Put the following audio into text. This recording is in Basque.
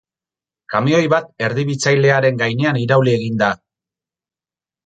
Kamioi bat erdibitzailearen gainean irauli egin da.